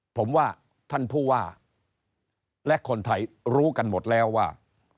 ผมว่าท่านผู้ว่าและคนไทยรู้กันหมดแล้วว่า